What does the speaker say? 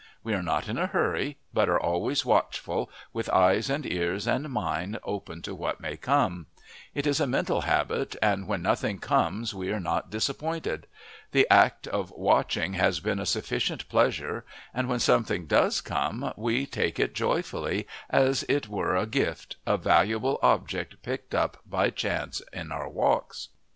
We are not in a hurry, but are always watchful, with eyes and ears and mind open to what may come; it is a mental habit, and when nothing comes we are not disappointed the act of watching has been a sufficient pleasure: and when something does come we take it joyfully as if it were a gift a valuable object picked up by chance in our walks.